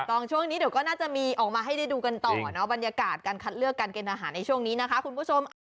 ช่วงนี้เดี๋ยวก็น่าจะมีออกมาให้ได้ดูกันต่อเนาะบรรยากาศการคัดเลือกการเกณฑ์อาหารในช่วงนี้นะคะคุณผู้ชม